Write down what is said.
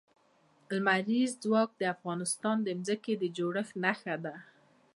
لمریز ځواک د افغانستان د ځمکې د جوړښت نښه ده.